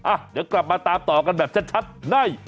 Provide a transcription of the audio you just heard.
อ่ะเดี๋ยวกลับมาตามต่อกันแบบชัดใน